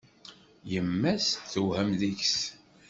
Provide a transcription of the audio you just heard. Yemma-s tewhem deg-s.